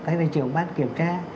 hay là trưởng bán kiểm tra